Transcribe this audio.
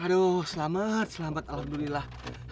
aduh selamat selamat alhamdulillah